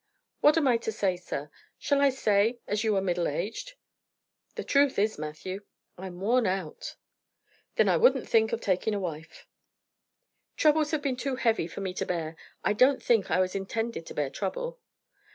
"What am I to say, sir? Shall I say as you are middle aged?" "The truth is, Matthew, I'm worn out." "Then I wouldn't think of taking a wife." "Troubles have been too heavy for me to bear. I don't think I was intended to bear trouble."